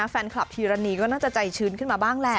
แฟนคลับธีรณีก็น่าจะใจชื้นขึ้นมาบ้างแหละ